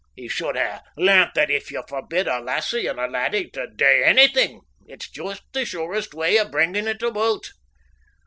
He should have lairnt that if ye forbid a lassie and a laddie to dae anything it's just the surest way o' bringin' it aboot.